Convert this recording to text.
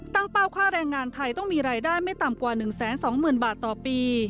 เป้าค่าแรงงานไทยต้องมีรายได้ไม่ต่ำกว่า๑๒๐๐๐บาทต่อปี